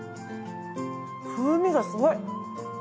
風味がすごい！